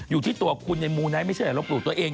อยู่ที่ตัวคุณไย้มูไนท์ไม่เชื่ออย่าบมปรุงตัวเอง